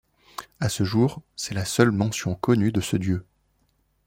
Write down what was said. À ce jour, c'est la seule mention connue de ce dieu.